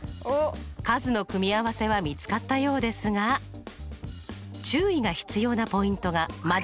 数の組み合わせは見つかったようですが注意が必要なポイントがまだありますね。